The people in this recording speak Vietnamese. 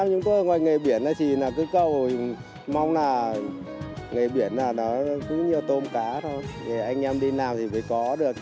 nói chung là ngoài nghề biển là chỉ là cứ cầu mong là nghề biển là nó cứ nhiều tôm cá thôi thì anh em đi làm thì mới có được